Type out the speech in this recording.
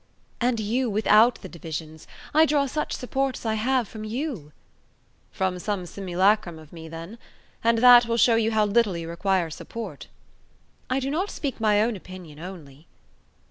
"And you without the 'divisions.' I draw such support as I have from you." "From some simulacrum of me, then. And that will show you how little you require support." "I do not speak my own opinion only."